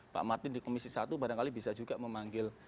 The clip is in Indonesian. pak martin di komisi satu barangkali bisa juga memanggil